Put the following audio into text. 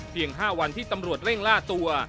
๕วันที่ตำรวจเร่งล่าตัว